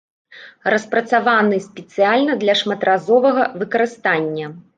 Распрацаваны спецыяльна для шматразовага выкарыстання.